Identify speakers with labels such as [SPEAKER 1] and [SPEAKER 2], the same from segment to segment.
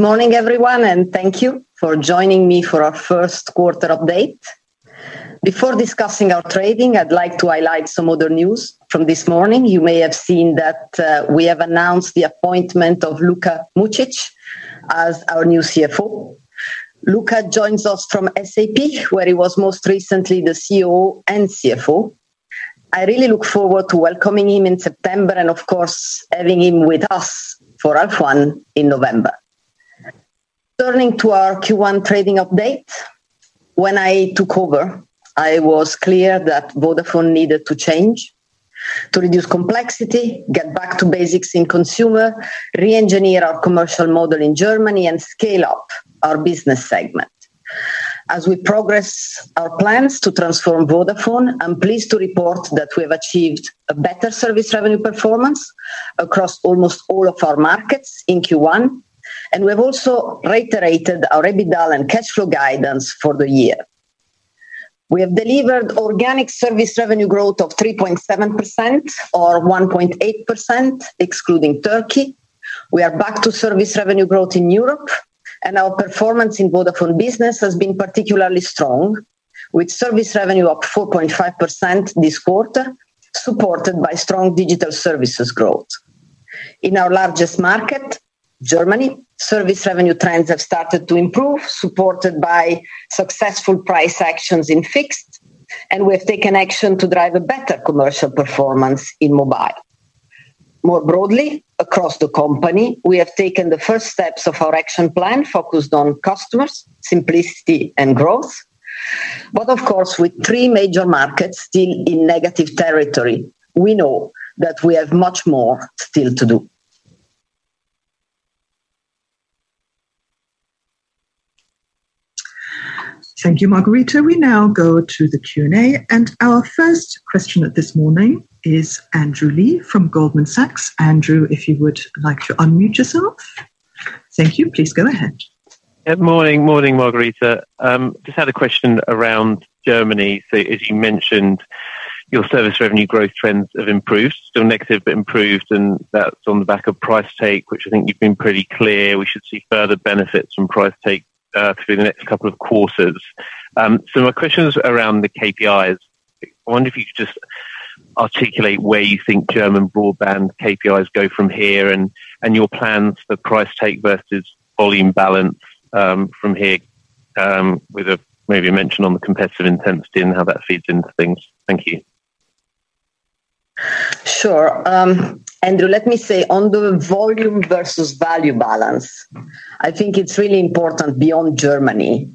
[SPEAKER 1] Good morning, everyone, thank you for joining me for our first quarter update. Before discussing our trading, I'd like to highlight some other news from this morning. You may have seen that we have announced the appointment of Luka Mucic as our new CFO. Luka joins us from SAP, where he was most recently the COO and CFO. I really look forward to welcoming him in September and, of course, having him with us for F1 in November. Turning to our Q1 trading update, when I took over, I was clear that Vodafone needed to change, to reduce complexity, get back to basics in consumer, re-engineer our commercial model in Germany, and scale up our business segment. As we progress our plans to transform Vodafone, I'm pleased to report that we have achieved a better service revenue performance across almost all of our markets in Q1, and we have also reiterated our EBITDA and cash flow guidance for the year. We have delivered organic service revenue growth of 3.7% or 1.8%, excluding Turkey. We are back to service revenue growth in Europe, and our performance in Vodafone Business has been particularly strong, with service revenue up 4.5% this quarter, supported by strong digital services growth. In our largest market, Germany, service revenue trends have started to improve, supported by successful price actions in Fixed, and we have taken action to drive a better commercial performance in Mobile. More broadly, across the company, we have taken the first steps of our action plan, focused on customers, simplicity, and growth. Of course, with three major markets still in negative territory, we know that we have much more still to do.
[SPEAKER 2] Thank you, Margherita. We now go to the Q&A, and our first question of this morning is Andrew Lee from Goldman Sachs. Andrew, if you would like to unmute yourself. Thank you. Please go ahead.
[SPEAKER 3] Good morning. Morning, Margherita. Just had a question around Germany. As you mentioned, your service revenue growth trends have improved, still negative, but improved, and that's on the back of price take, which I think you've been pretty clear we should see further benefits from price take through the next couple of quarters. My question is around the KPIs. I wonder if you could just articulate where you think German broadband KPIs go from here and your plans for price take versus volume balance from here with a maybe a mention on the competitive intensity and how that feeds into things. Thank you.
[SPEAKER 1] Sure. Andrew, let me say, on the volume versus value balance, I think it's really important beyond Germany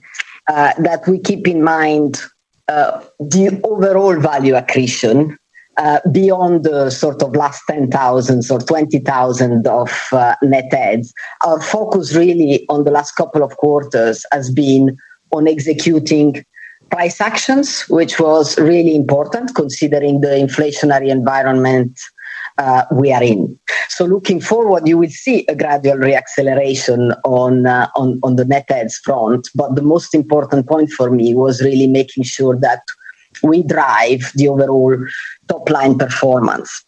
[SPEAKER 1] that we keep in mind the overall value accretion beyond the sort of last 10,000 or 20,000 of net adds. Our focus really on the last couple of quarters has been on executing price actions, which was really important considering the inflationary environment we are in. Looking forward, you will see a gradual re-acceleration on the net adds front, the most important point for me was really making sure that we drive the overall top-line performance.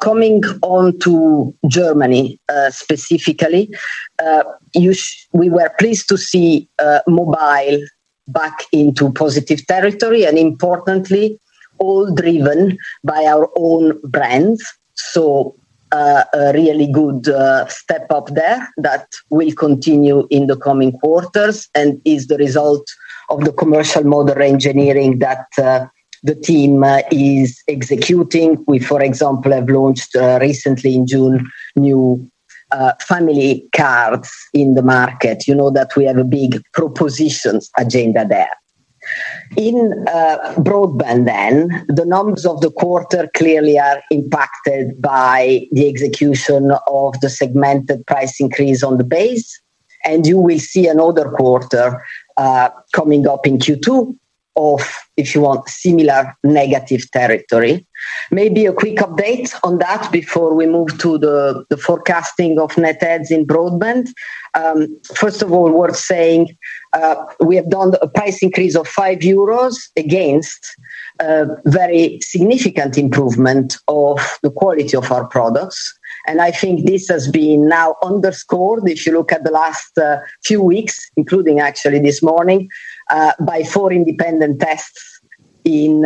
[SPEAKER 1] Coming on to Germany specifically, we were pleased to see Mobile back into positive territory and importantly, all driven by our own brands. A really good step up there that will continue in the coming quarters and is the result of the commercial model re-engineering that the team is executing. We, for example, have launched recently in June, new family cards in the market. You know that we have a big propositions agenda there. Broadband, the numbers of the quarter clearly are impacted by the execution of the segmented price increase on the base, and you will see another quarter coming up in Q2 of, if you want, similar negative territory. Maybe a quick update on that before we move to the forecasting of net adds in broadband. First of all, worth saying, we have done a price increase of 5 euros against a very significant improvement of the quality of our products, and I think this has been now underscored, if you look at the last few weeks, including actually this morning, by four independent tests in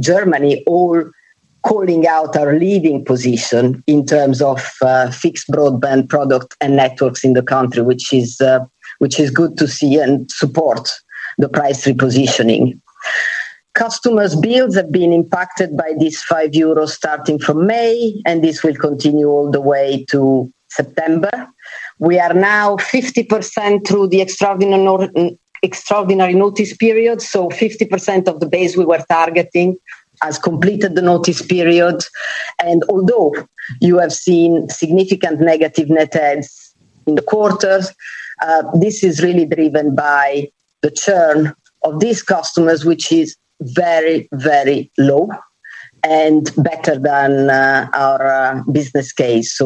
[SPEAKER 1] Germany, all calling out our leading position in terms of fixed broadband product and networks in the country, which is good to see and support the price repositioning. Customers' bills have been impacted by this 5 euros starting from May, and this will continue all the way to September. We are now 50% through the extraordinary notice period, so 50% of the base we were targeting has completed the notice period. Although you have seen significant negative net adds in the quarters, this is really driven by the churn of these customers, which is very low and better than our business case.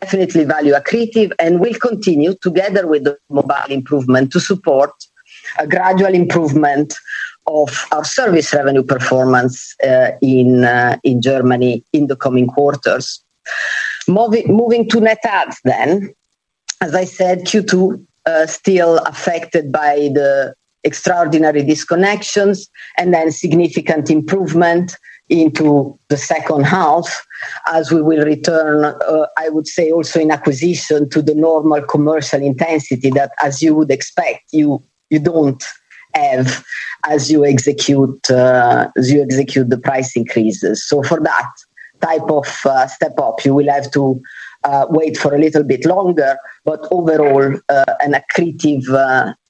[SPEAKER 1] Definitely value accretive, and will continue, together with the mobile improvement, to support a gradual improvement of our service revenue performance in Germany in the coming quarters. Moving to net adds. As I said, Q2 still affected by the extraordinary disconnections and then significant improvement into the second half as we will return, I would say also in acquisition to the normal commercial intensity that, as you would expect, you don't have as you execute as you execute the price increases. For that type of step up, you will have to wait for a little bit longer, but overall, an accretive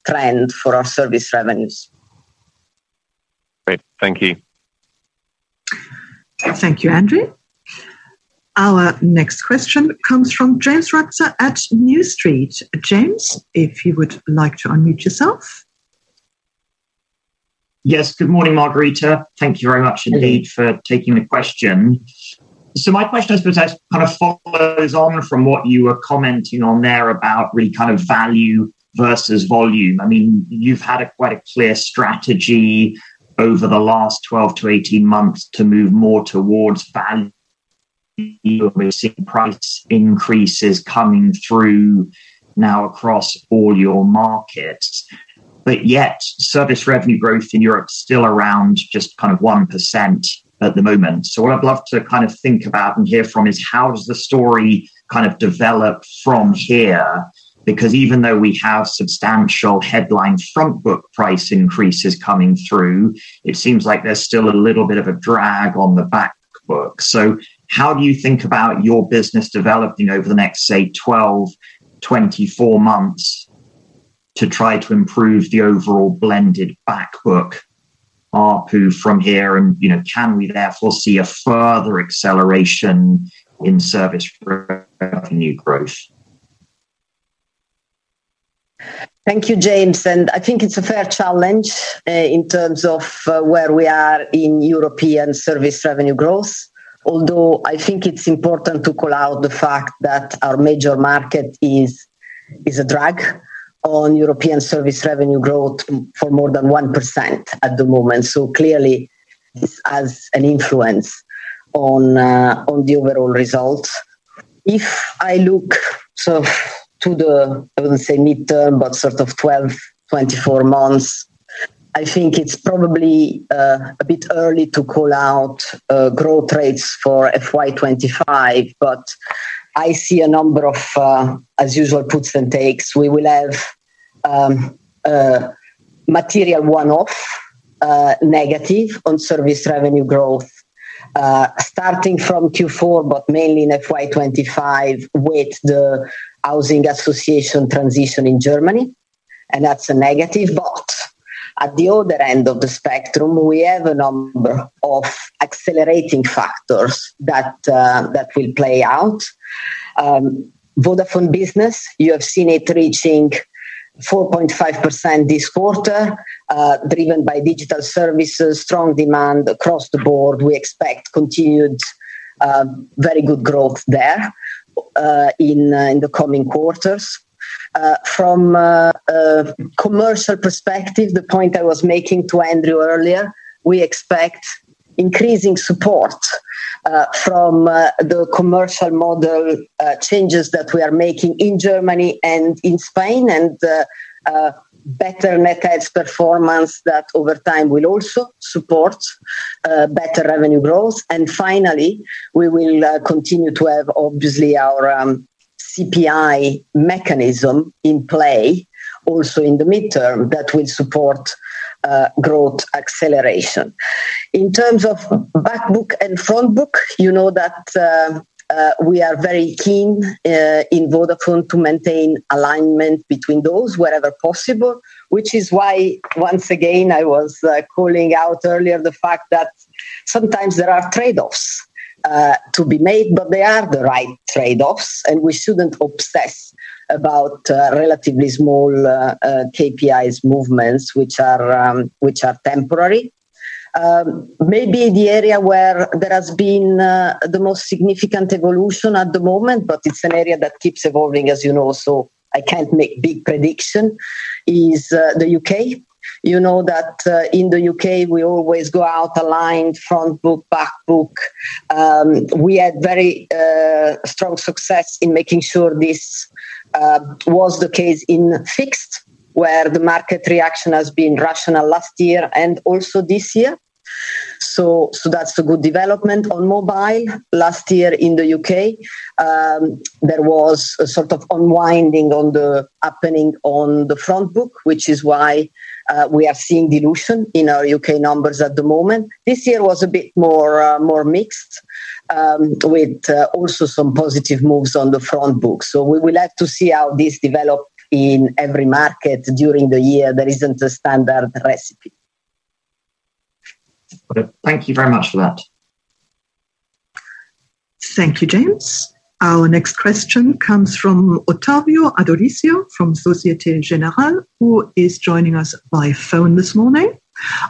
[SPEAKER 1] trend for our service revenues.
[SPEAKER 3] Great. Thank you.
[SPEAKER 2] Thank you, Andrew. Our next question comes from James Ratzer at New Street. James, if you would like to unmute yourself.
[SPEAKER 4] Yes. Good morning, Margherita. Thank you very much indeed for taking the question. My question I suppose kind of follows on from what you were commenting on there about the kind of value versus volume. I mean, you've had a quite clear strategy over the last 12-18 months to move more towards value. We've seen price increases coming through now across all your markets. Yet, service revenue growth in Europe is still around just kind of 1% at the moment. What I'd love to kind of think about and hear from is how does the story kind of develop from here? Because even though we have substantial headline front book price increases coming through, it seems like there's still a little bit of a drag on the back book. How do you think about your business developing over the next, say, 12, 24 months to try to improve the overall blended back book ARPU from here, and, you know, can we therefore see a further acceleration in service revenue growth?
[SPEAKER 1] Thank you, James. I think it's a fair challenge in terms of where we are in European service revenue growth. Although, I think it's important to call out the fact that our major market is a drag on European service revenue growth for more than 1% at the moment. Clearly, this has an influence on the overall results. If I look sort of to the, I wouldn't say midterm, but sort of 12, 24 months, I think it's probably a bit early to call out growth rates for FY25, but I see a number of, as usual, puts and takes. We will have material one-off negative on service revenue growth starting from Q4, but mainly in FY25 with the housing association transition in Germany, and that's a negative. At the other end of the spectrum, we have a number of accelerating factors that will play out. Vodafone Business, you have seen it reaching 4.5% this quarter, driven by digital services, strong demand across the board. We expect continued very good growth there in the coming quarters. From a commercial perspective, the point I was making to Andrew earlier, we expect increasing support from the commercial model changes that we are making in Germany and in Spain, and better net adds performance that over time will also support better revenue growth. Finally, we will continue to have, obviously, our CPI mechanism in play also in the midterm that will support growth acceleration. In terms of back book and front book, we are very keen in Vodafone to maintain alignment between those wherever possible, which is why, once again, I was calling out earlier the fact that sometimes there are trade-offs to be made, but they are the right trade-offs, and we shouldn't obsess about relatively small KPIs movements, which are temporary. Maybe the area where there has been the most significant evolution at the moment, but it's an area that keeps evolving, so I can't make big prediction, is the U.K. In the U.K., we always go out aligned front book, back book. We had very strong success in making sure this was the case in fixed, where the market reaction has been rational last year and also this year. That's a good development. On mobile, last year in the U.K., there was a sort of unwinding on the happening on the front book, which is why we are seeing dilution in our U.K. numbers at the moment. This year was a bit more mixed, with also some positive moves on the front book. We will have to see how this develop in every market during the year. There isn't a standard recipe.
[SPEAKER 4] Thank you very much for that.
[SPEAKER 2] Thank you, James. Our next question comes from Ottavio Adorisio from Societe Generale, who is joining us by phone this morning.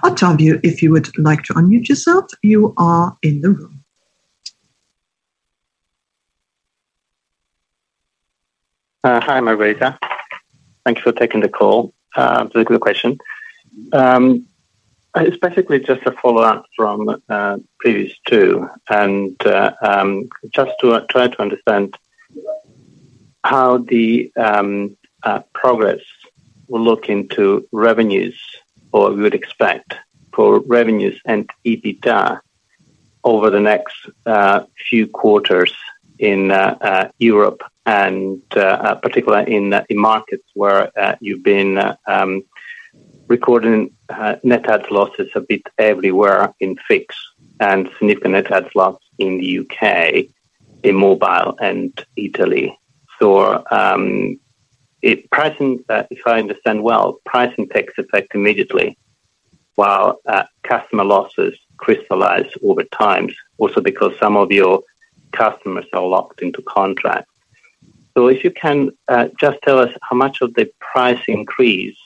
[SPEAKER 2] Ottavio, if you would like to unmute yourself, you are in the room.
[SPEAKER 5] Hi, Margherita. Thank you for taking the call. It's a good question. It's basically just a follow-up from previous two, and just to try to understand how the progress will look into revenues or we would expect for revenues and EBITDA over the next few quarters in Europe and particularly in markets where you've been recording net adds losses a bit everywhere in fixed and significant net adds loss in the U.K., in mobile and Italy. If pricing, if I understand well, pricing takes effect immediately, while customer losses crystallize over time, also because some of your customers are locked into contract. If you can, just tell us how much of the price increase,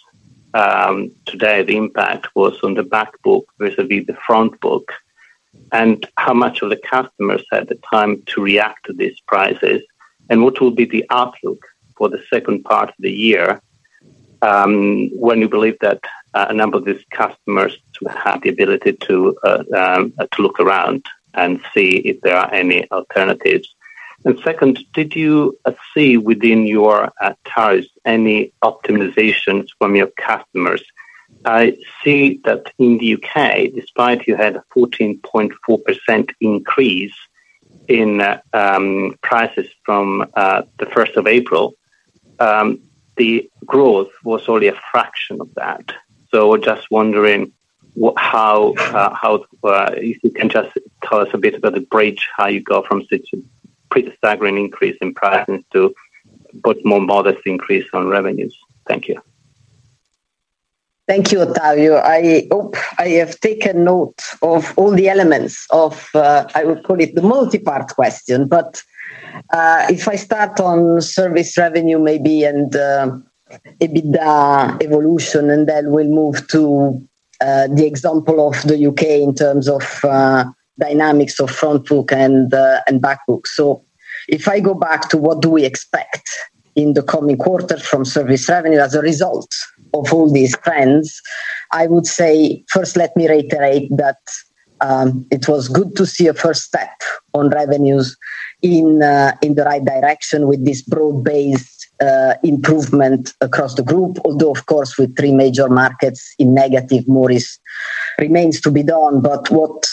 [SPEAKER 5] today, the impact was on the back book vis-à-vis the front book, and how much of the customers had the time to react to these prices, and what will be the outlook for the second part of the year, when you believe that, a number of these customers will have the ability to look around and see if there are any alternatives? Second, did you see within your tariffs any optimizations from your customers? I see that in the U.K., despite you had a 14.4% increase in prices from the 1st of April, the growth was only a fraction of that. We're just wondering what, how, if you can just tell us a bit about the bridge, how you go from such a pretty staggering increase in prices to both more modest increase on revenues? Thank you.
[SPEAKER 1] Thank you, Ottavio. I hope I have taken note of all the elements of I will call it the multipart question. If I start on service revenue maybe and EBITDA evolution, and then we'll move to the example of the U.K. in terms of dynamics of front book and back book. If I go back to what do we expect in the coming quarter from service revenue as a result of all these trends, I would say, first, let me reiterate that it was good to see a first step on revenues in the right direction with this broad-based improvement across the group. Although, of course, with three major markets in negative, more remains to be done. What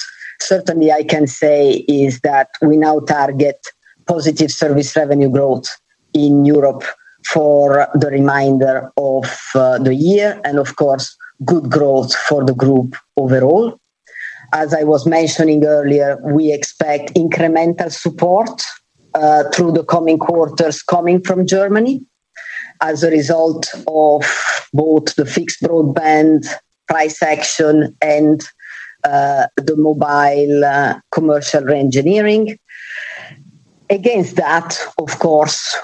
[SPEAKER 1] certainly I can say is that we now target positive service revenue growth in Europe for the remainder of the year and, of course, good growth for the group overall. As I was mentioning earlier, we expect incremental support through the coming quarters coming from Germany as a result of both the fixed broadband price action and the mobile commercial reengineering. Against that, of course,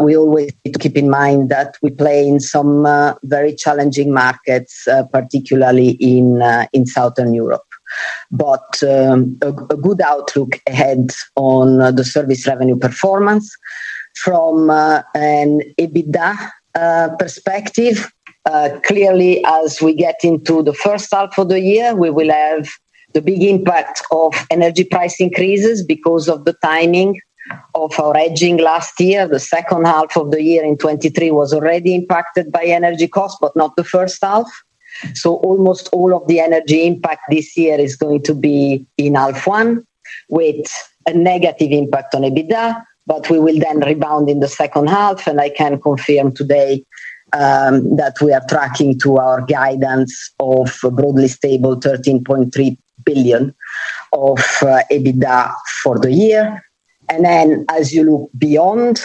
[SPEAKER 1] we always need to keep in mind that we play in some very challenging markets, particularly in Southern Europe. A good outlook ahead on the service revenue performance from an EBITDA perspective. Clearly, as we get into the first half of the year, we will have the big impact of energy price increases because of the timing of our hedging last year. The second half of the year in 2023 was already impacted by energy costs, but not the first half. Almost all of the energy impact this year is going to be in half one, with a negative impact on EBITDA, but we will then rebound in the second half. I can confirm today that we are tracking to our guidance of a broadly stable EUR 13.3 billion of EBITDA for the year. As you look beyond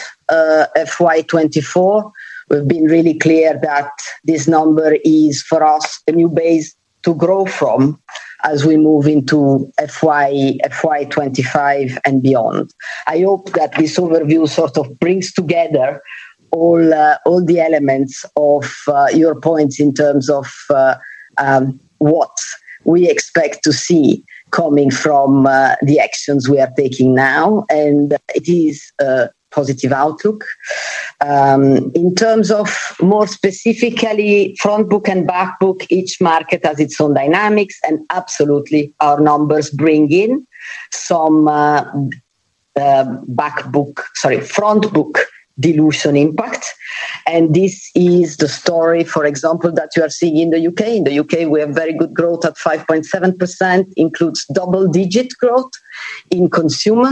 [SPEAKER 1] FY24, we've been really clear that this number is, for us, a new base to grow from as we move into FY25 and beyond. I hope that this overview sort of brings together all the elements of your points in terms of what we expect to see coming from the actions we are taking now. It is a positive outlook. In terms of more specifically, front book and back book, each market has its own dynamics. Absolutely, our numbers bring in some back book- sorry, front book dilution impact. This is the story, for example, that you are seeing in the U.K. In the U.K., we have very good growth at 5.7%, includes double-digit growth in consumer.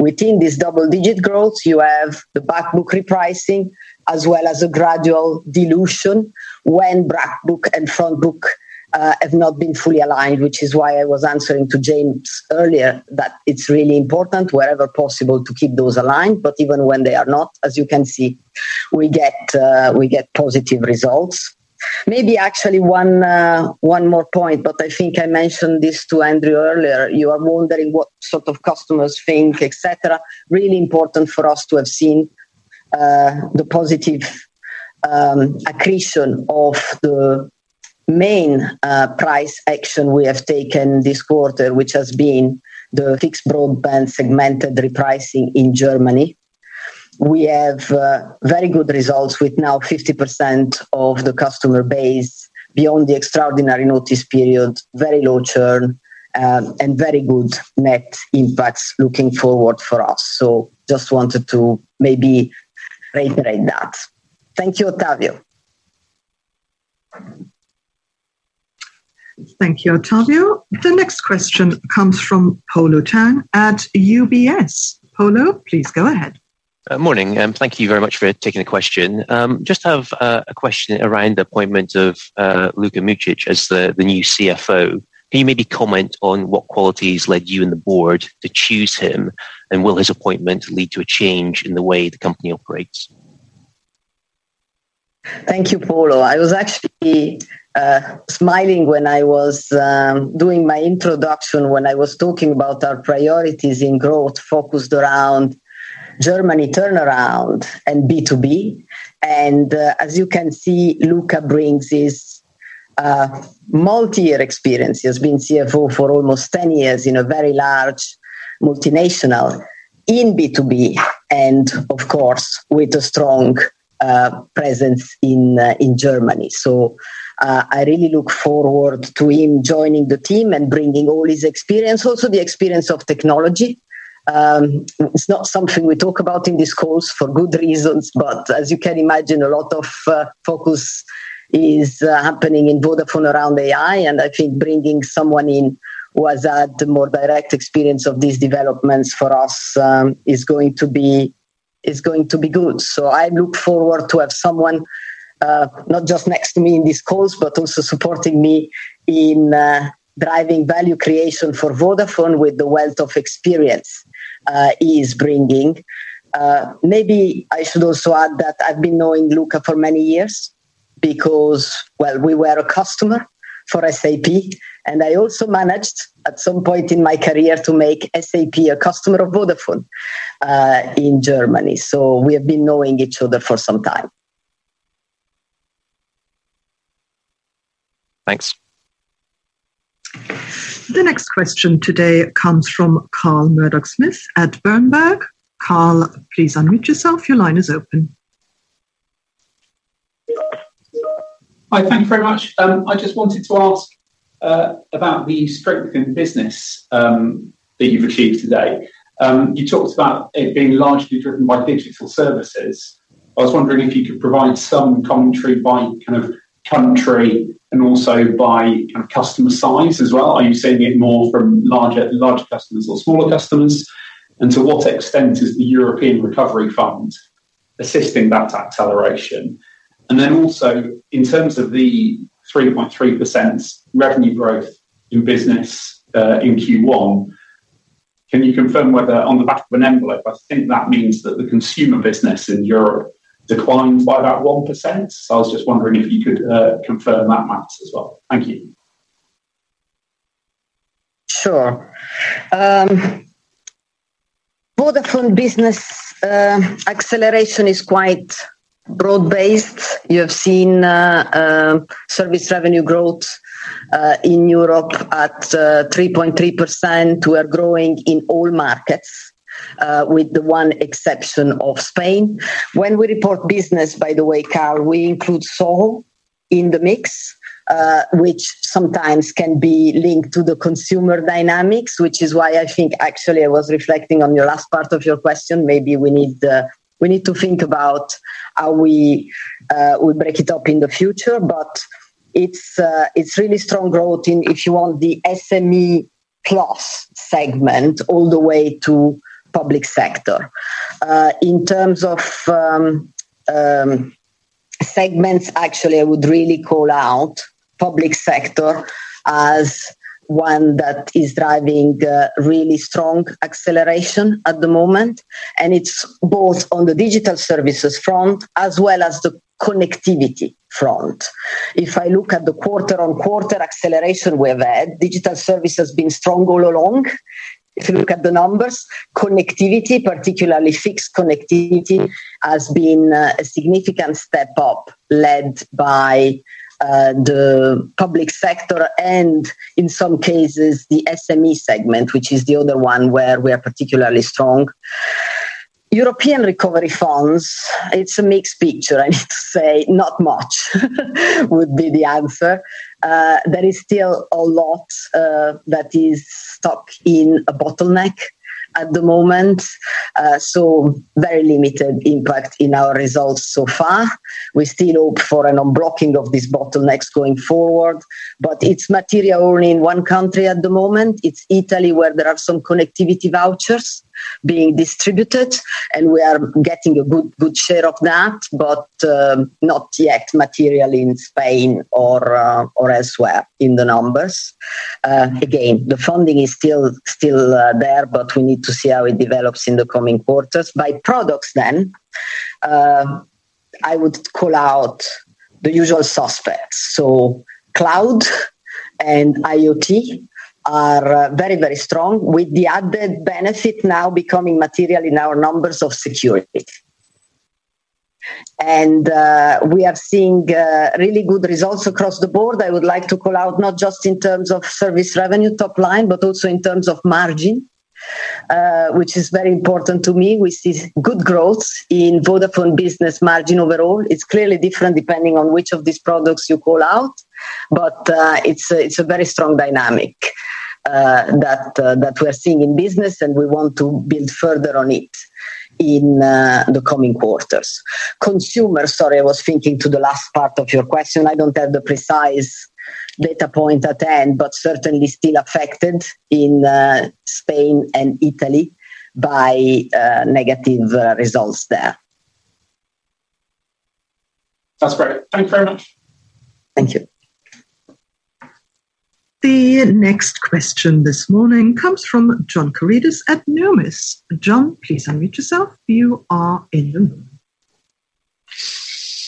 [SPEAKER 1] Within this double-digit growth, you have the back book repricing, as well as a gradual dilution when back book and front book have not been fully aligned, which is why I was answering to James earlier, that it's really important wherever possible, to keep those aligned. Even when they are not, as you can see, we get positive results. Maybe actually one more point, but I think I mentioned this to Andrew earlier. You are wondering what sort of customers think, et cetera. Really important for us to have seen the positive accretion of the main price action we have taken this quarter, which has been the fixed broadband segmented repricing in Germany. We have, very good results with now 50% of the customer base beyond the extraordinary notice period, very low churn, and very good net impacts looking forward for us. Just wanted to maybe reiterate that. Thank you, Ottavio.
[SPEAKER 2] Thank you, Ottavio. The next question comes from Polo Tang at UBS. Polo, please go ahead.
[SPEAKER 6] Morning. Thank you very much for taking the question. Just have a question around the appointment of Luka Mucic as the new CFO. Can you maybe comment on what qualities led you and the board to choose him, and will his appointment lead to a change in the way the company operates?
[SPEAKER 1] Thank you, Polo. I was actually smiling when I was doing my introduction when I was talking about our priorities in growth focused around Germany turnaround and B2B. As you can see, Luka brings his multi-year experience. He has been CFO for almost 10 years in a very large multinational in B2B and, of course, with a strong presence in Germany. I really look forward to him joining the team and bringing all his experience, also the experience of technology. It's not something we talk about in this calls for good reasons, but as you can imagine, a lot of focus is happening in Vodafone around AI, and I think bringing someone in who has had the more direct experience of these developments for us is going to be good. I look forward to have someone, not just next to me in these calls, but also supporting me in driving value creation for Vodafone with the wealth of experience he is bringing. Maybe I should also add that I've been knowing Luka for many years because, well, we were a customer for SAP, and I also managed, at some point in my career, to make SAP a customer of Vodafone in Germany. We have been knowing each other for some time.
[SPEAKER 6] Thanks.
[SPEAKER 2] The next question today comes from Carl Murdock-Smith at Berenberg. Carl, please unmute yourself. Your line is open.
[SPEAKER 7] Hi, thank you very much. I just wanted to ask about the strength in business that you've achieved today. You talked about it being largely driven by digital services. I was wondering if you could provide some commentary by kind of country and also by kind of customer size as well. Are you seeing it more from larger customers or smaller customers? To what extent is the European Recovery Fund assisting that acceleration? In terms of the 3.3% revenue growth in business in Q1, can you confirm whether on the back of an envelope, I think that means that the consumer business in Europe declined by about 1%? I was just wondering if you could confirm that math as well. Thank you.
[SPEAKER 1] Sure. Vodafone Business acceleration is quite broad-based. You have seen service revenue growth in Europe at 3.3%. We are growing in all markets with the one exception of Spain. When we report business, by the way, Carl, we include SoHo in the mix, which sometimes can be linked to the consumer dynamics, which is why I think actually I was reflecting on your last part of your question. Maybe we need we need to think about how we break it up in the future, but it's really strong growth in, if you want, the SME plus segment all the way to public sector. In terms of segments, actually, I would really call out public sector as one that is driving really strong acceleration at the moment, and it's both on the digital services front as well as the connectivity front. If I look at the quarter-on-quarter acceleration we've had, digital service has been strong all along. If you look at the numbers, connectivity, particularly fixed connectivity, has been a significant step up, led by the public sector and in some cases, the SME segment, which is the other one where we are particularly strong. European recovery funds, it's a mixed picture, I need to say. Not much, would be the answer. There is still a lot that is stuck in a bottleneck at the moment. Very limited impact in our results so far. We still hope for an unblocking of these bottlenecks going forward. It's material only in one country at the moment. It's Italy, where there are some connectivity vouchers being distributed, we are getting a good share of that, not yet material in Spain or elsewhere in the numbers. The funding is still there, we need to see how it develops in the coming quarters. By products, I would call out the usual suspects. Cloud and IoT are very, very strong, with the added benefit now becoming material in our numbers of security. We are seeing really good results across the board. I would like to call out not just in terms of service revenue top line, but also in terms of margin, which is very important to me. We see good growth in Vodafone Business margin overall. It's clearly different depending on which of these products you call out, but it's a very strong dynamic that we're seeing in business, and we want to build further on it in the coming quarters. Consumer, sorry, I was thinking to the last part of your question. I don't have the precise data point at hand, but certainly still affected in Spain and Italy by negative results there.
[SPEAKER 7] That's great. Thanks very much.
[SPEAKER 1] Thank you.
[SPEAKER 2] The next question this morning comes from John Karidis at Numis. John, please unmute yourself. You are in the room.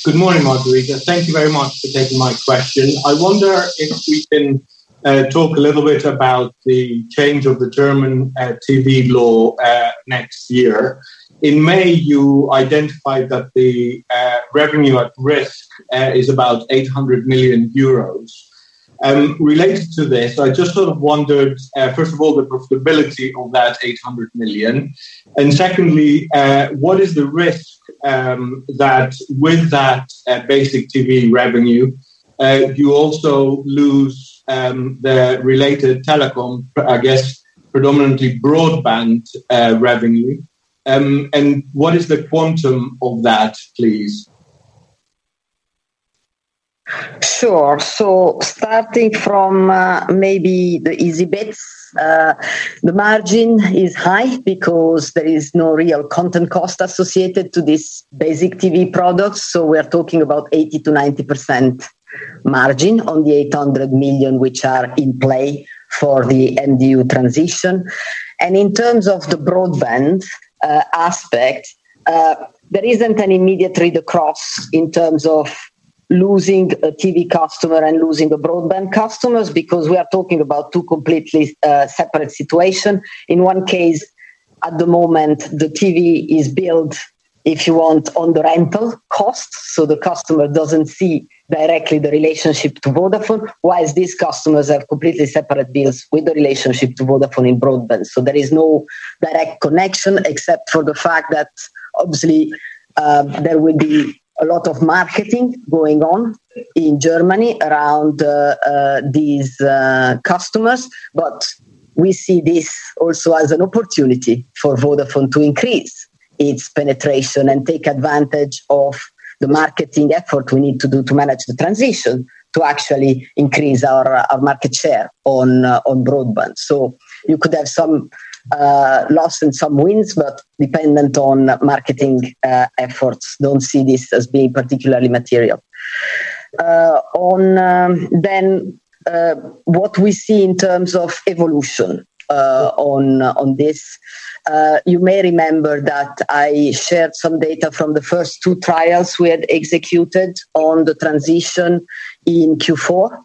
[SPEAKER 8] Good morning, Margherita. Thank you very much for taking my question. I wonder if we can talk a little bit about the change of the German TV law next year. In May, you identified that the revenue at risk is about 800 million euros. Related to this, I just sort of wondered, first of all, the profitability of that 800 million, and secondly, what is the risk that with that basic TV revenue, you also lose the related telecom, I guess, predominantly broadband revenue? What is the quantum of that, please?
[SPEAKER 1] Sure. Starting from, maybe the easy bits, the margin is high because there is no real content cost associated to this basic TV product. We're talking about 80%-90% margin on the 800 million, which are in play for the MDU transition. In terms of the broadband, aspect, there isn't an immediate trade-off in terms of losing a TV customer and losing a broadband customers, because we are talking about two completely, separate situation. In one case, at the moment, the TV is built, if you want, on the rental costs, so the customer doesn't see directly the relationship to Vodafone, whilst these customers have completely separate deals with the relationship to Vodafone in broadband. There is no direct connection, except for the fact that obviously, there will be a lot of marketing going on in Germany around these customers. We see this also as an opportunity for Vodafone to increase its penetration and take advantage of the marketing effort we need to do to manage the transition, to actually increase our market share on broadband. You could have some loss and some wins, but dependent on marketing efforts, don't see this as being particularly material. On what we see in terms of evolution, on this, you may remember that I shared some data from the first two trials we had executed on the transition in Q4,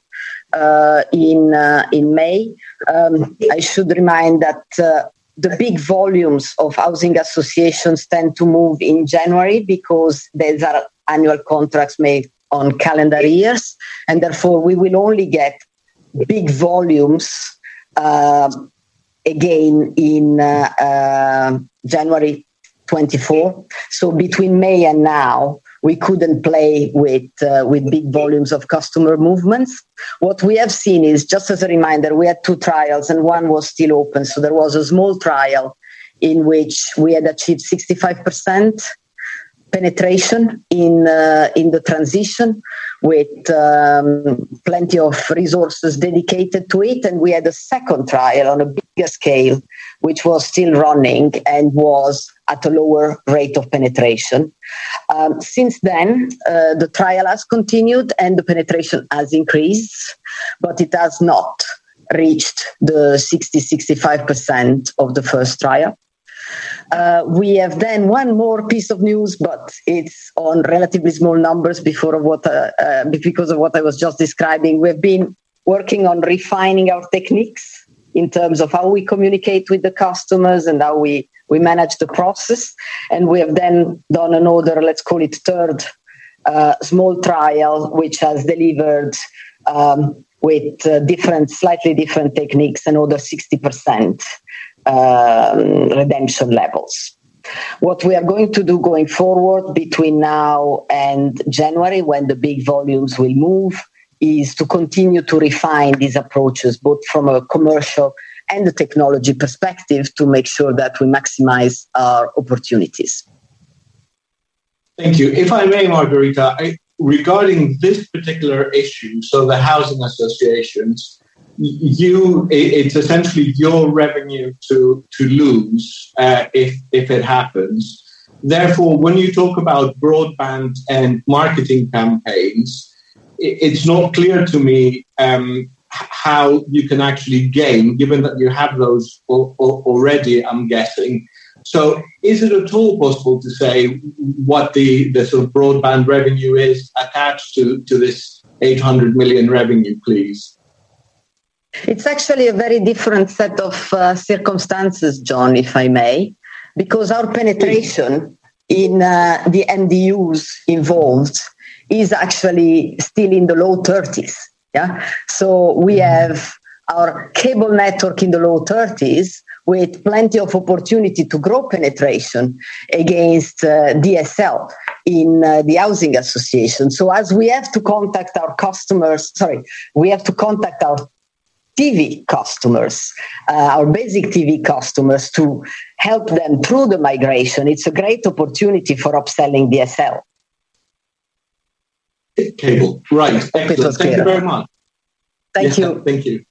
[SPEAKER 1] in May. I should remind that the big volumes of housing associations tend to move in January because there are annual contracts made on calendar years, and therefore, we will only get big volumes again in January 2024. Between May and now, we couldn't play with big volumes of customer movements. What we have seen is, just as a reminder, we had two trials, and one was still open. There was a small trial in which we had achieved 65% penetration in the transition, with plenty of resources dedicated to it. We had a second trial on a bigger scale, which was still running and was at a lower rate of penetration. Since then, the trial has continued and the penetration has increased, but it has not reached the 60-65% of the first trial. We have then one more piece of news, but it's on relatively small numbers before what, because of what I was just describing. We've been working on refining our techniques in terms of how we communicate with the customers and how we manage the process, and we have then done another, let's call it third, small trial, which has delivered with different, slightly different techniques, another 60% redemption levels. What we are going to do going forward between now and January, when the big volumes will move, is to continue to refine these approaches, both from a commercial and a technology perspective, to make sure that we maximize our opportunities.
[SPEAKER 8] Thank you. If I may, Margherita, regarding this particular issue, the housing associations, it's essentially your revenue to lose if it happens. When you talk about broadband and marketing campaigns, it's not clear to me how you can actually gain, given that you have those already, I'm guessing. Is it at all possible to say what the sort of broadband revenue is attached to this 800 million revenue, please?
[SPEAKER 1] It's actually a very different set of circumstances, John, if I may, because our penetration in the MDUs involved is actually still in the low 30s. Yeah. We have our cable network in the low 30s, with plenty of opportunity to grow penetration against DSL in the housing association. As we have to contact our customers, we have to contact our TV customers, our basic TV customers, to help them through the migration. It's a great opportunity for upselling DSL.
[SPEAKER 8] Cable. Right.
[SPEAKER 1] Okay, so clear.
[SPEAKER 8] Thank you very much.
[SPEAKER 1] Thank you.
[SPEAKER 8] Thank you.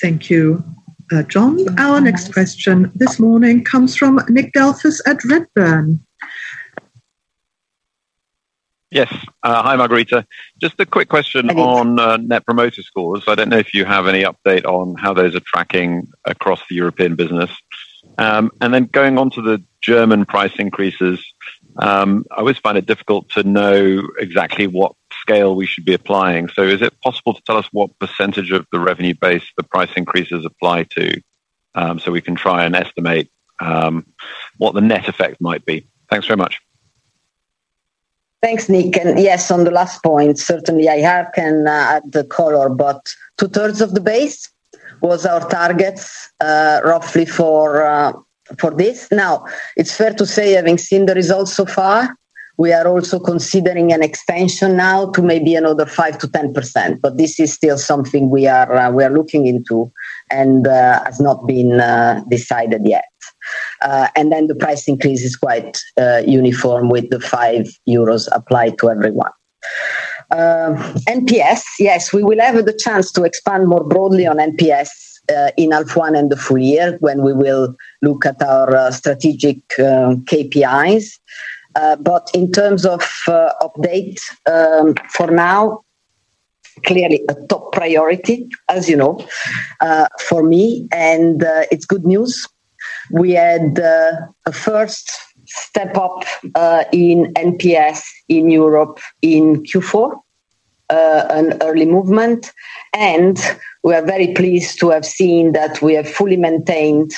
[SPEAKER 2] Thank you, John. Our next question this morning comes from Nick Delfas at Redburn.
[SPEAKER 9] Yes. Hi, Margherita. Just a quick question-
[SPEAKER 1] Hi, Nick.
[SPEAKER 9] On net promoter scores. I don't know if you have any update on how those are tracking across the European business. Going on to the German price increases, I always find it difficult to know exactly what scale we should be applying. Is it possible to tell us what % of the revenue base the price increases apply to, so we can try and estimate what the net effect might be? Thanks very much.
[SPEAKER 1] Thanks, Nick. Yes, on the last point, certainly I have, can add the color, but two-thirds of the base was our targets, roughly for this. It's fair to say, having seen the results so far, we are also considering an expansion now to maybe another 5%-10%, but this is still something we are looking into and has not been decided yet. The price increase is quite uniform, with the 5 euros applied to everyone. NPS, yes, we will have the chance to expand more broadly on NPS in half one and the full year when we will look at our strategic KPIs. In terms of update, for now, clearly a top priority, as you know, for me, and it's good news. We had, a first step up, in NPS in Europe in Q4, an early movement, and we are very pleased to have seen that we have fully maintained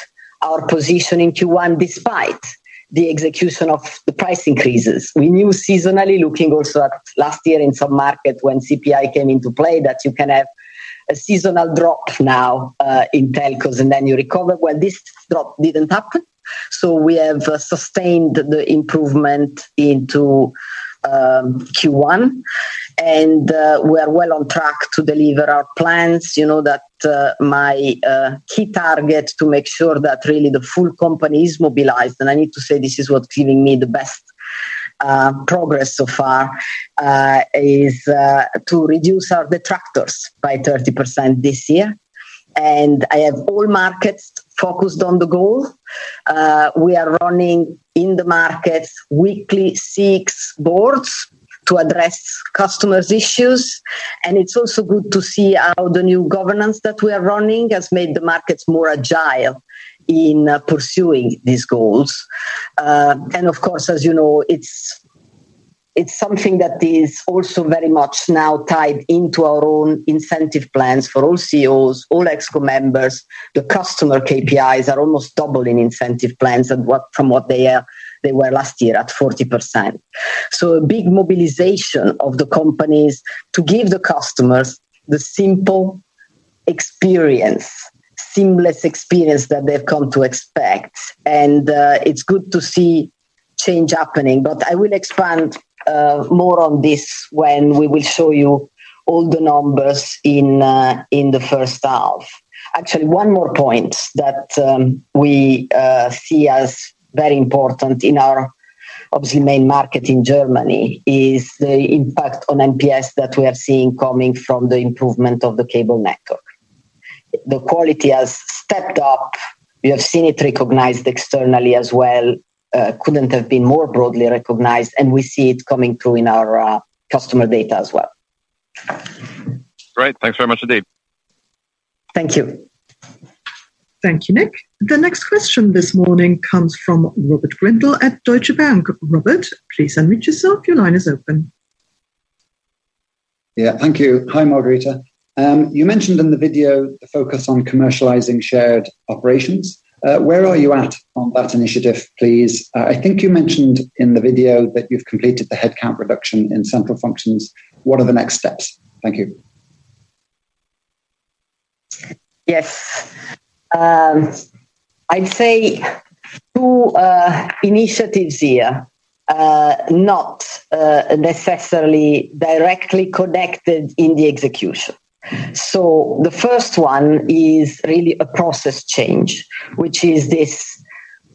[SPEAKER 1] our position in Q1, despite the execution of the price increases. We knew seasonally, looking also at last year in some market when CPI came into play, that you can have a seasonal drop now, in telcos, and then you recover. Well, this drop didn't happen, so we have sustained the improvement into, Q1, and, we are well on track to deliver our plans. You know that, my key target to make sure that really the full company is mobilized. I need to say this is what's giving me the best progress so far, is to reduce our detractors by 30% this year. I have all markets focused on the goal. We are running in the markets weekly six boards to address customers' issues. It's also good to see how the new governance that we are running has made the markets more agile in pursuing these goals. Of course, as you know, it's something that is also very much now tied into our own incentive plans for all OpCos, all ExCo members. The customer KPIs are almost double in incentive plans than they were last year at 40%. A big mobilization of the companies to give the customers the simple experience, seamless experience that they've come to expect, and it's good to see change happening. I will expand more on this when we will show you all the numbers in the first half. Actually, one more point that we see as very important in our, obviously, main market in Germany, is the impact on NPS that we have seen coming from the improvement of the cable network. The quality has stepped up. We have seen it recognized externally as well. Couldn't have been more broadly recognized, and we see it coming through in our customer data as well.
[SPEAKER 9] Great. Thanks very much indeed.
[SPEAKER 1] Thank you.
[SPEAKER 2] Thank you, Nick. The next question this morning comes from Robert Grindle at Deutsche Bank. Robert, please unmute yourself. Your line is open.
[SPEAKER 10] Thank you. Hi, Margherita. You mentioned in the video the focus on commercializing shared operations. Where are you at on that initiative, please? I think you mentioned in the video that you've completed the headcount reduction in central functions. What are the next steps? Thank you.
[SPEAKER 1] Yes. I'd say two initiatives here, not necessarily directly connected in the execution. The first one is really a process change, which is this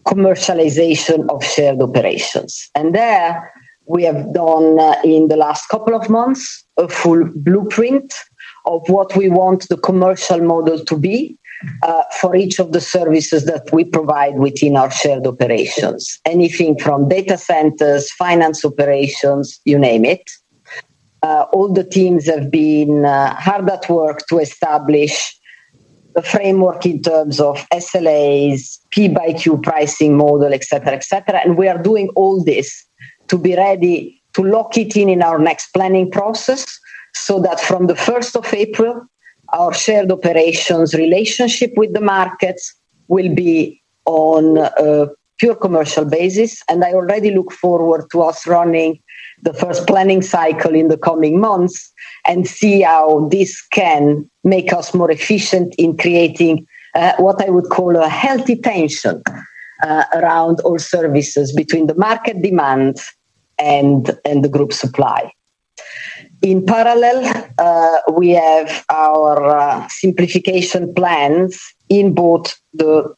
[SPEAKER 1] commercialization of shared operations. There we have done in the last couple of months, a full blueprint of what we want the commercial model to be for each of the services that we provide within our shared operations. Anything from data centers, finance operations, you name it. All the teams have been hard at work to establish the framework in terms of SLAs, P×Q pricing model, et cetera, et cetera, and we are doing all this to be ready to lock it in in our next planning process, so that from the 1st of April, our shared operations relationship with the markets will be on a pure commercial basis. I already look forward to us running the first planning cycle in the coming months and see how this can make us more efficient in creating, what I would call a healthy tension, around all services between the market demand and the group supply. In parallel, we have our simplification plans in both the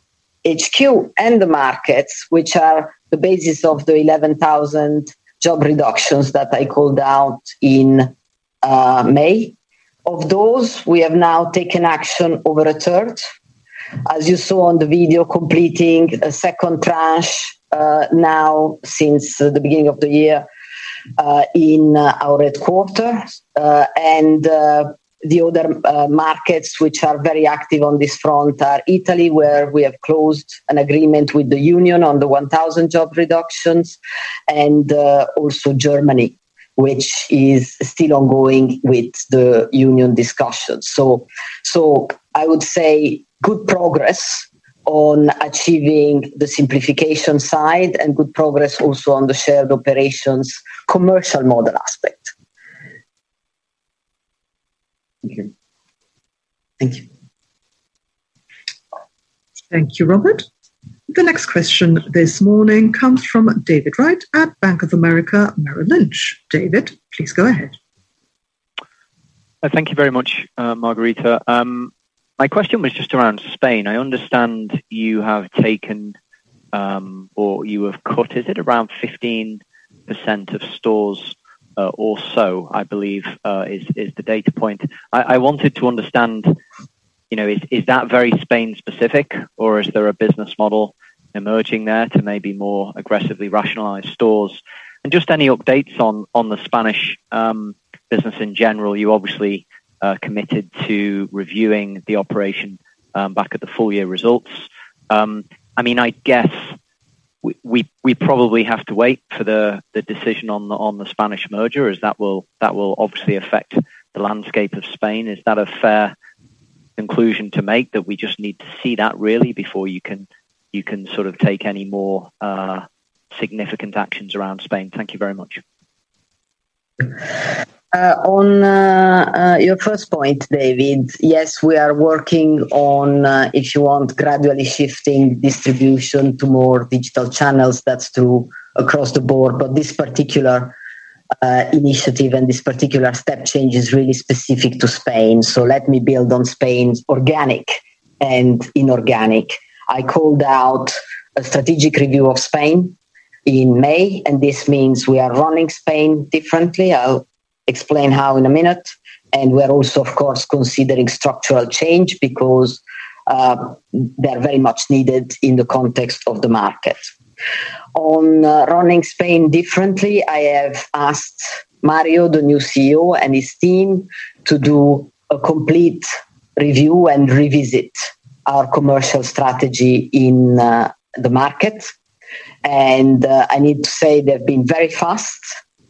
[SPEAKER 1] HQ and the markets, which are the basis of the 11,000 job reductions that I called out in May. Of those, we have now taken action over a third, as you saw on the video, completing a second tranche, now since the beginning of the year, in our headquarters. The other markets which are very active on this front are Italy, where we have closed an agreement with the union on the 1,000 job reductions, and also Germany, which is still ongoing with the union discussions. I would say good progress on achieving the simplification side and good progress also on the shared operations commercial model aspect. Thank you.
[SPEAKER 2] Thank you, Robert. The next question this morning comes from David Wright at Bank of America Merrill Lynch. David, please go ahead.
[SPEAKER 11] Thank you very much, Margherita. My question was just around Spain. I understand you have taken, or you have cut, is it around 15% of stores, or so, I believe, is the data point. I wanted to understand, you know, is that very Spain specific or is there a business model emerging there to maybe more aggressively rationalize stores? Just any updates on the Spanish business in general, you obviously committed to reviewing the operation back at the full year results. I mean, I guess we probably have to wait for the decision on the Spanish merger, as that will obviously affect the landscape of Spain. Is that a fair conclusion to make that we just need to see that really before you can sort of take any more significant actions around Spain? Thank you very much.
[SPEAKER 1] On your first point, David, yes, we are working on, if you want, gradually shifting distribution to more digital channels. That's true across the board, but this particular initiative and this particular step change is really specific to Spain. Let me build on Spain's organic and inorganic. I called out a strategic review of Spain in May, and this means we are running Spain differently. I'll explain how in a minute. We're also, of course, considering structural change because they're very much needed in the context of the market. On running Spain differently, I have asked Mario, the new CEO, and his team to do a complete review and revisit our commercial strategy in the market. I need to say they've been very fast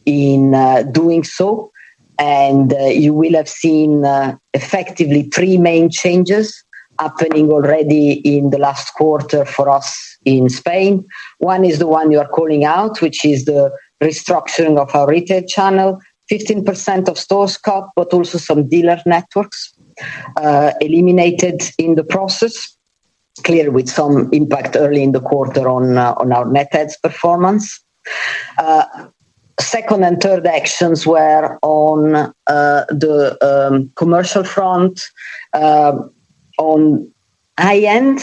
[SPEAKER 1] in doing so, and you will have seen effectively three main changes happening already in the last quarter for us in Spain. One is the one you are calling out, which is the restructuring of our retail channel. 15% of stores cut, but also some dealer networks eliminated in the process. Clearly, with some impact early in the quarter on our net adds performance. Second and third actions were on the commercial front on high end,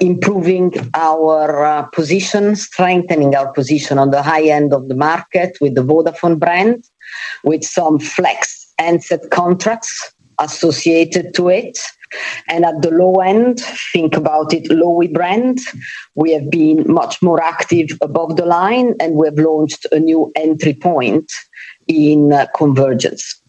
[SPEAKER 1] improving our position, strengthening our position on the high end of the market with the Vodafone brand, with some flex handset contracts associated to it. At the low end, think about it, Lowi brand. We have been much more active above the line. We have launched a new entry point in convergence.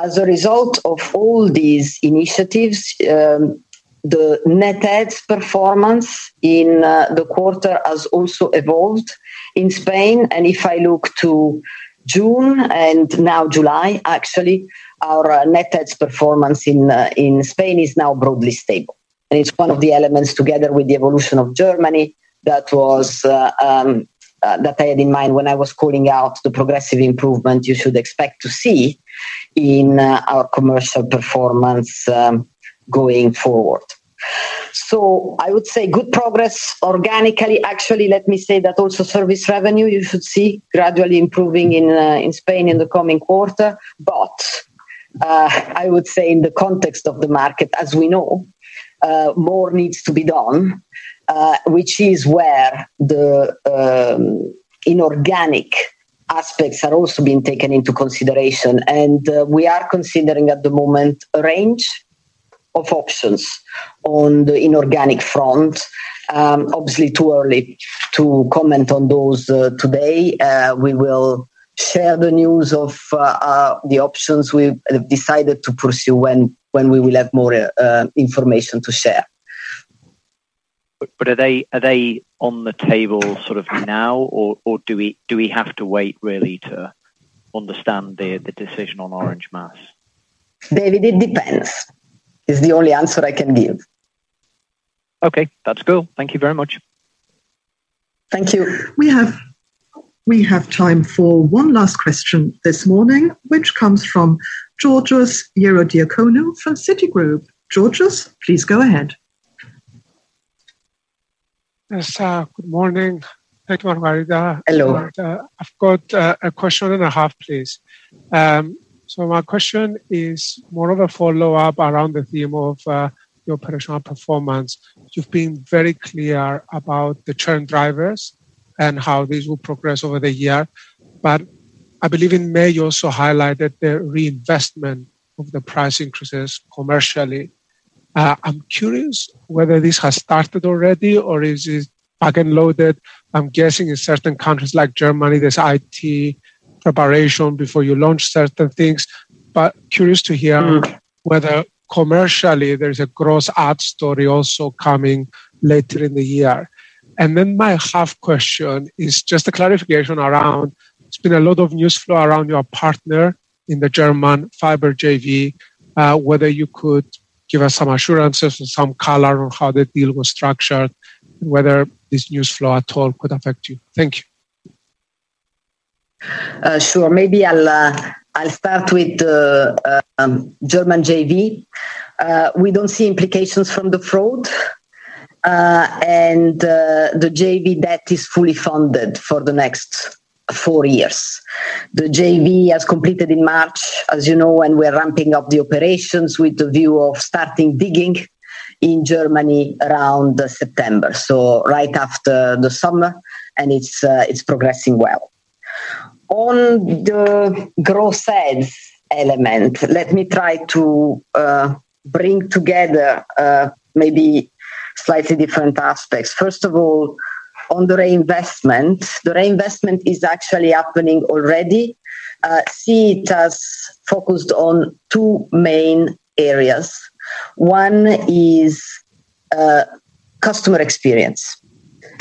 [SPEAKER 1] As a result of all these initiatives, the net adds performance in the quarter has also evolved in Spain. If I look to June and now July, actually, our net adds performance in Spain is now broadly stable. It's one of the elements, together with the evolution of Germany, that I had in mind when I was calling out the progressive improvement you should expect to see in our commercial performance going forward. I would say good progress organically. Actually, let me say that also service revenue you should see gradually improving in Spain in the coming quarter. I would say in the context of the market, as we know, more needs to be done, which is where the inorganic aspects are also being taken into consideration. We are considering at the moment a range of options. On the inorganic front, obviously, too early to comment on those today. We will share the news of the options we've decided to pursue when we will have more information to share.
[SPEAKER 11] Are they on the table sort of now, or do we have to wait really to understand the decision on MasOrange?
[SPEAKER 1] David, it depends, is the only answer I can give.
[SPEAKER 11] Okay, that's cool. Thank you very much.
[SPEAKER 1] Thank you.
[SPEAKER 2] We have time for one last question this morning, which comes from Georgios Ierodiaconou from Citigroup. Georgios, please go ahead.
[SPEAKER 12] Yes, good morning. Thank you, Margherita.
[SPEAKER 1] Hello.
[SPEAKER 12] I've got a question and a half, please. My question is more of a follow-up around the theme of your operational performance. You've been very clear about the trend drivers and how these will progress over the year, but I believe in May, you also highlighted the reinvestment of the price increases commercially. I'm curious whether this has started already, or is it back and loaded? I'm guessing in certain countries like Germany, there's IT preparation before you launch certain things. Curious to hear.
[SPEAKER 1] Mm.
[SPEAKER 12] Whether commercially, there is a gross add story also coming later in the year. My half question is just a clarification around, there's been a lot of news flow around your partner in the German fiber JV. Whether you could give us some assurances and some color on how the deal was structured, whether this news flow at all could affect you. Thank you.
[SPEAKER 1] Sure. Maybe I'll start with the German JV. We don't see implications from the fraud. The JV debt is fully funded for the next four years. The JV has completed in March, as you know, and we're ramping up the operations with the view of starting digging in Germany around September. Right after the summer, it's progressing well. On the growth adds element, let me try to bring together maybe slightly different aspects. First of all, on the reinvestment, the reinvestment is actually happening already. See, it has focused on two main areas. One is customer experience.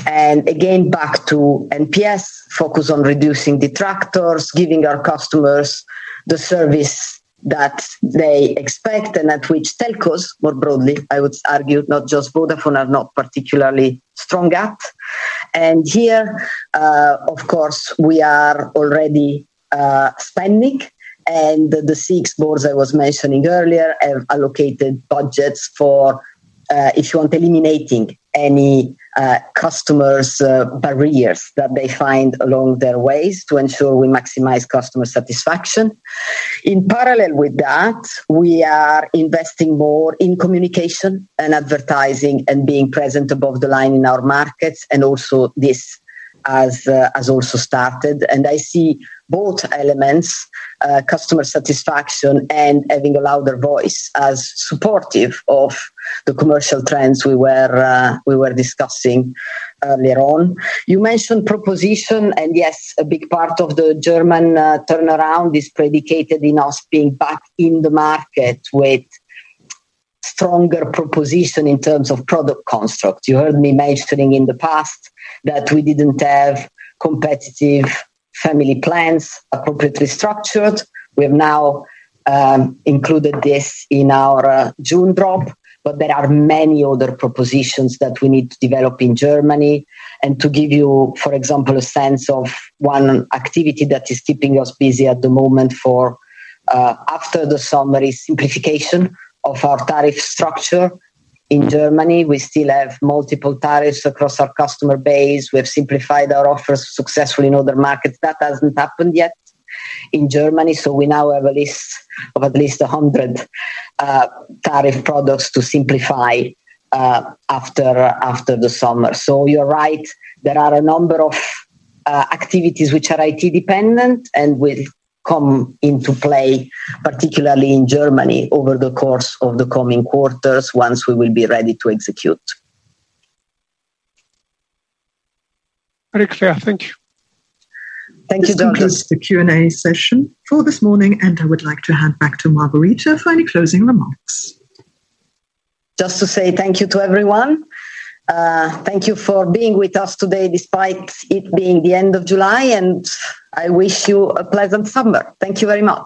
[SPEAKER 1] Again, back to NPS, focus on reducing detractors, giving our customers the service that they expect and at which telcos, more broadly, I would argue, not just Vodafone, are not particularly strong at. Here, of course, we are already spending, and the six boards I was mentioning earlier have allocated budgets for, if you want, eliminating any customers barriers that they find along their ways to ensure we maximize customer satisfaction. In parallel with that, we are investing more in communication and advertising and being present above the line in our markets, and also this has also started. I see both elements, customer satisfaction and having a louder voice, as supportive of the commercial trends we were discussing earlier on. You mentioned proposition. Yes, a big part of the German turnaround is predicated in us being back in the market with stronger proposition in terms of product construct. You heard me mentioning in the past that we didn't have competitive family plans appropriately structured. We have now included this in our June drop, but there are many other propositions that we need to develop in Germany. To give you, for example, a sense of one activity that is keeping us busy at the moment for after the summer, is simplification of our tariff structure. In Germany, we still have multiple tariffs across our customer base. We have simplified our offers successfully in other markets. That hasn't happened yet in Germany, so we now have a list of at least 100 tariff products to simplify after the summer. You're right, there are a number of activities which are IT dependent and will come into play, particularly in Germany, over the course of the coming quarters once we will be ready to execute.
[SPEAKER 12] Very clear. Thank you.
[SPEAKER 1] Thank you, Georges.
[SPEAKER 2] This concludes the Q&A session for this morning, and I would like to hand back to Margherita for any closing remarks.
[SPEAKER 1] Just to say thank you to everyone. Thank you for being with us today, despite it being the end of July. I wish you a pleasant summer. Thank you very much.